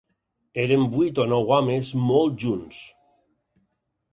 Érem vuit o nou homes, molt junts